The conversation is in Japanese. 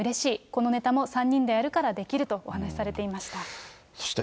このネタも３人でやるからできるとお話されていました。